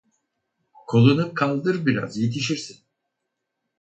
Kolunu kaldır biraz, yetişirsin.